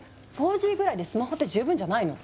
４Ｇぐらいでスマホって十分じゃないの？